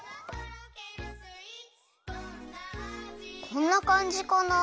こんなかんじかな？